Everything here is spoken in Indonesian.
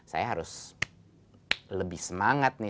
saya harus lebih semangat nih